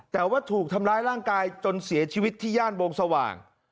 แต่ว่าถูกทำร้ายร่างกายจนเสียชีวิตที่ย่านวงสว่าง